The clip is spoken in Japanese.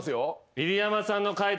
入山さんの解答